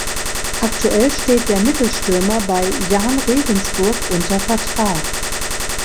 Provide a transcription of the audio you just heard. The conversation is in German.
Aktuell steht der Mittelstürmer bei Jahn Regensburg unter Vertrag.